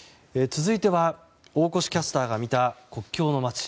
続いては、大越キャスターが見た国境の街。